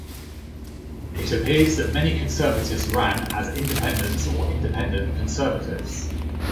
It appears that many Conservatives ran as independents or Independent Conservatives.